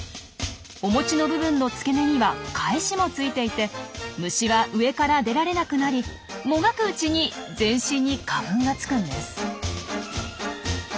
お餅の部分の付け根には「返し」もついていて虫は上から出られなくなりもがくうちに全身に花粉がつくんです。